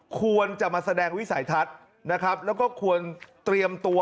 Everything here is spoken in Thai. ควรจะมาแสดงวิสัยทัศน์นะครับแล้วก็ควรเตรียมตัว